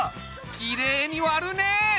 きれいに割るね！